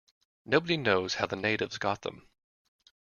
Nobody knows how the natives got them.